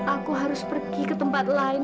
aku harus pergi ke tempat lain